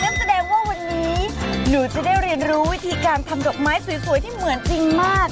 นั่นแสดงว่าวันนี้หนูจะได้เรียนรู้วิธีการทำดอกไม้สวยที่เหมือนจริงมาก